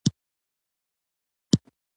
ته پوهېږې زما دا لور اوس د کوچۍ په شان ښکاري.